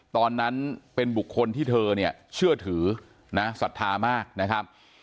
ตอนนั้นเป็นบุคคลที่เธอเนี่ยเชื่อถือนะศรัทธามากนะครับ